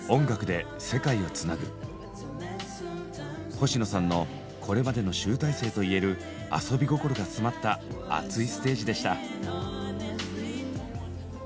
星野さんのこれまでの集大成といえる「アソビゴコロ」が詰まった熱いステージでした。